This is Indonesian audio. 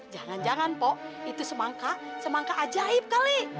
jangan jangan pok itu semangka semangka ajaib kali